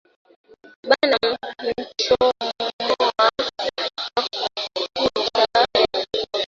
Bana muchomola makuta ilikuwa muufuko